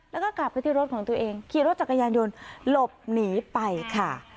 แล้วก็กลับไปที่รถของตัวเองขี่รถจักรยานยนต์หลบหนีไปค่ะ